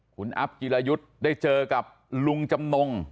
คุณอัพจิรายุทธ์ได้เจอกับลุงจำนง